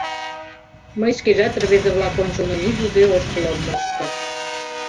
Мый шкежат рвезе-влак ончылно нигузе ошкыл ом мошто.